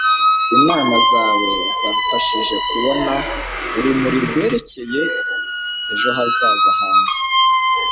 inama zawe zamfashije kubona urumuri rwerekeye ejo hazaza hanjye